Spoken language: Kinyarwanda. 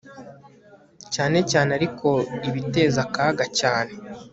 Cyane cyane ariko ibiteza akaga cyane